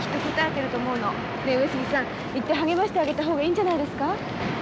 ねえ上杉さん行って励ましてあげた方がいいんじゃないですか？